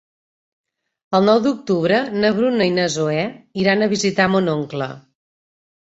El nou d'octubre na Bruna i na Zoè iran a visitar mon oncle.